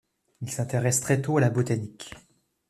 Il s'intéresse très tôt à la botanique.